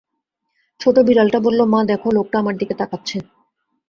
ছোট বিড়ালটা বলল, মা-দেখ, লোকটা আমার দিকে তাকাচ্ছে।